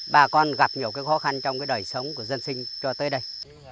bà con gặp nhiều khó khăn trong cái đời sống của dân sinh cho tới đây